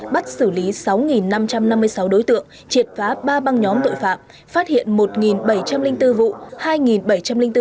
bắt xử lý sáu năm trăm năm mươi sáu đối tượng triệt phá ba băng nhóm tội phạm phát hiện một bảy trăm linh bốn vụ